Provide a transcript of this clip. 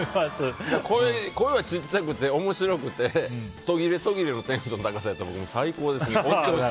声は小さくて面白くて途切れ途切れのテンションの高さやったら最高ですね。